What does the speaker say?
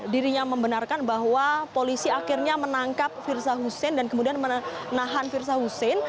dirinya membenarkan bahwa polisi akhirnya menangkap firza hussein dan kemudian menahan firza hussein